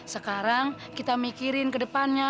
sekarang kita mikirin ke depannya